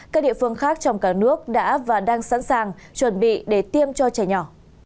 các địa phương khác trong cả nước đã và đang sẵn sàng chuẩn bị để tiêm cho trẻ nhỏ